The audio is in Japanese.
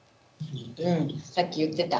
さっき言ってた。